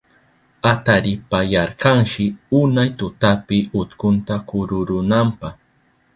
Ataripayarkashi unay tutapi utkunta kururunanpa.